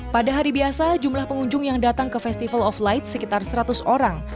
pada hari biasa jumlah pengunjung yang datang ke festival of light sekitar seratus orang